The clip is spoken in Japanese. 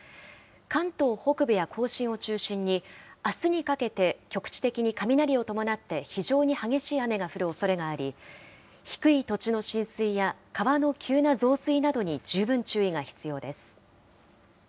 関東北部や甲信を中心に、あすにかけて局地的に雷を伴って非常に激しい雨が降るおそれがあり、低い土地の浸水や川の急な増水などに十分注意が必要です。